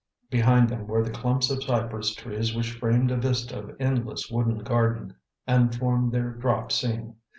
Behind them were the clumps of cypress trees which framed a vista of endless wooden garden and formed their drop scene.